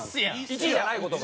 １位じゃない事が？